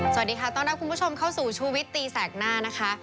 สวัสดีค่ะต้อนรับคุณผู้ชมเข้าสู่ชูวิตตีแสกหน้านะคะ